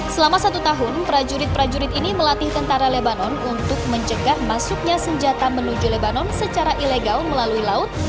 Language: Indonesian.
selama satu tahun prajurit prajurit ini melatih tentara lebanon untuk mencegah masuknya senjata menuju lebanon secara ilegal melalui laut